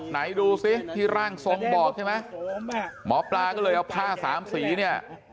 ไหนดูสิที่ร่างทรงบอกใช่ไหมหมอปลาก็เลยเอาผ้าสามสีเนี่ย